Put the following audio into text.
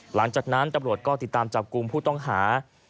หลังจากนั้นตำรวจก็ติดตามจับกลุ่มผู้ต้องหา